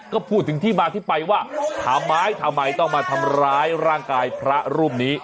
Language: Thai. ก็พูดถึงที่มาที่ไปว่าถามไม้ทำไมต้องมาทำร้ายร่างกายพระรูปนี้